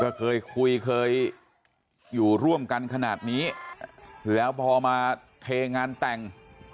ก็เคยคุยเคยอยู่ร่วมกันขนาดนี้แล้วพอมาเทงานแต่ง